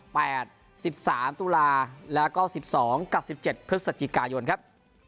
แปดสิบสามตุลาแล้วก็สิบสองกับสิบเจ็ดพฤศจิกายนครับ